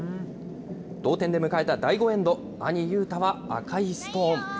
同点で迎えた第５エンド、兄、雄太は赤いストーン。